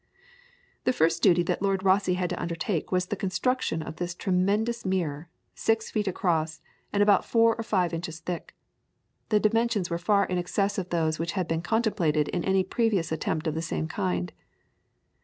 ] The first duty that Lord Rosse had to undertake was the construction of this tremendous mirror, six feet across, and about four or five inches thick. The dimensions were far in excess of those which had been contemplated in any previous attempt of the same kind.